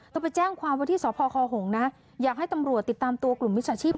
ไปแจ้งความว่าที่สพคหงนะอยากให้ตำรวจติดตามตัวกลุ่มมิจฉาชีพ